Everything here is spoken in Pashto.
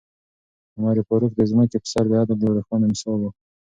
عمر فاروق د ځمکې په سر د عدل یو روښانه مثال و.